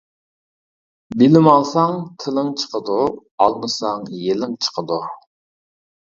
بىلىم ئالساڭ تىلىڭ چىقىدۇ، ئالمىساڭ يىلىڭ چىقىدۇ.